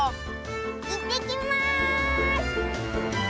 いってきます！